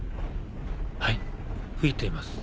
はい吹いています。